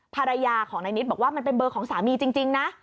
ภรรยาของนายนิดบอกว่ามันเป็นเบอร์ของสามีจริงนะ